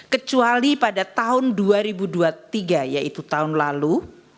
kecuali pada tahun dua ribu dua puluh tiga yaitu tahun lalu